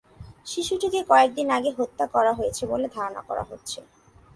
শিশুটিকে কয়েক দিন আগে হত্যা করা হয়েছে বলে ধারণা করা হচ্ছে।